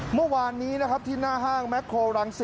เมื่อวานนี้นะครับที่หน้าห้างครับ